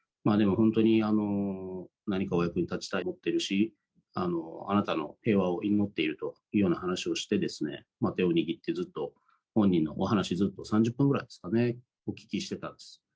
でも、本当に何かお役に立ちたいと思っているし、あなたの平和を祈っているというような話をして、手を握って、ずっと本人のお話をずっと、３０分ぐらいですかね、お聞きしてたんです。